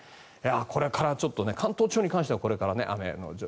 これから関東地方に関してはこれから雨も。